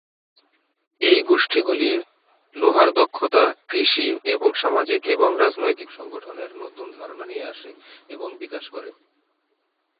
এই গোষ্ঠীগুলি লোহার দক্ষতা, কৃষি এবং সামাজিক এবং রাজনৈতিক সংগঠনের নতুন ধারণা নিয়ে আসে এবং বিকাশ করে।